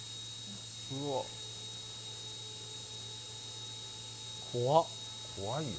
うわっ怖っ怖いよ